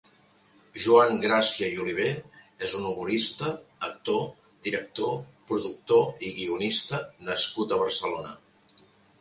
Joan Gràcia i Oliver és un humorista, actor, director, productor i guionista nascut a Barcelona.